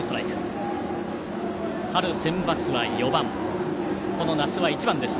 春センバツは４番この夏は１番です。